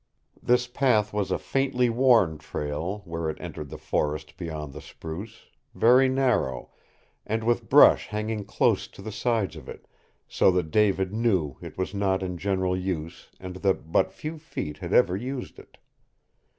This path was a faintly worn trail where it entered the forest beyond the spruce, very narrow, and with brush hanging close to the sides of it, so that David knew it was not in general use and that but few feet had ever used it.